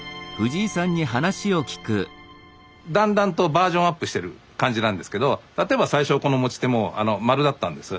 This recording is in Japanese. だんだんとバージョンアップしてる感じなんですけど例えば最初はこの持ち手も丸だったんです。